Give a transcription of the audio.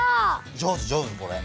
上手上手これ。